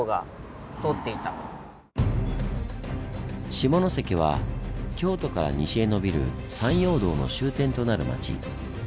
下関は京都から西へ延びる山陽道の終点となる町。